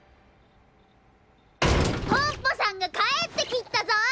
ポンポさんがかえってきったぞ！